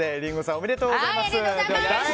おめでとうございます。